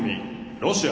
ロシア。